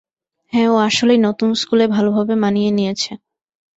হ্যাঁ, ও আসলেই নতুন স্কুলে ভালোভাবে মানিয়ে নিয়েছে।